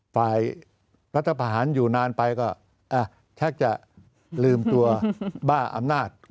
ฝ่ายรัฐประหารอยู่นานไปก็แทบจะลืมตัวบ้าอำนาจ